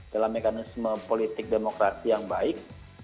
dalam mekanisme politik demokrasi yang baik